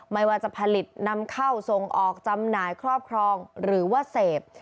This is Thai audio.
ไม่ว่าจะผลิตนำเข้าส่งออกจำหน่ายครอบครองหรือว่าเสพ